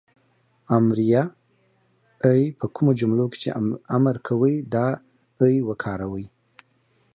امریه "ئ" په کومو جملو کې چې امر کوی دا "ئ" وکاروئ